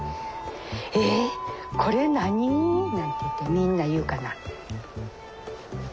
「えっこれ何？」なんていってみんな言うかな。